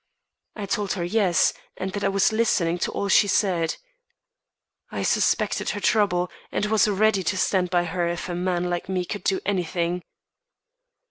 I told her yes, and that I was listening to all she said. I suspected her trouble, and was ready to stand by her, if a man like me could do anything.